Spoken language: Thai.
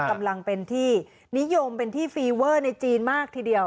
กำลังเป็นที่นิยมเป็นที่ฟีเวอร์ในจีนมากทีเดียว